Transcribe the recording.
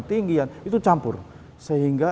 tinggi itu campur sehingga